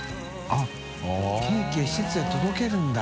△ケーキ施設へ届けるんだ。